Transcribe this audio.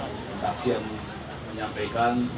ada saksi yang menyampaikan